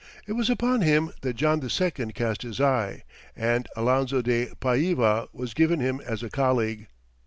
It was upon him that John II. cast his eye, and Alonzo de Païva was given him as a colleague.